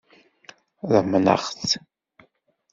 Ḍemneɣ-t.